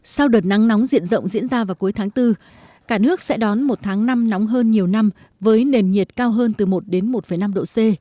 sau đợt nắng nóng diện rộng diễn ra vào cuối tháng bốn cả nước sẽ đón một tháng năm nóng hơn nhiều năm với nền nhiệt cao hơn từ một đến một năm độ c